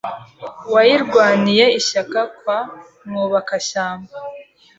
Wayirwaniye ishyaka kwa Mwubakashyamba